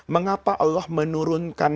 mengapa allah menurunkan